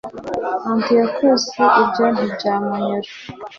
antiyokusi ibyo ntibyamunyura